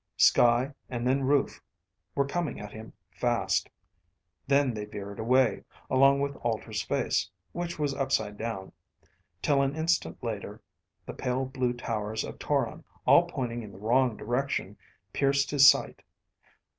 Sky and then roof were coming at him, fast. Then they veered away, along with Alter's face (which was upside down), till an instant later the pale blue towers of Toron, all pointing in the wrong direction, pierced his sight.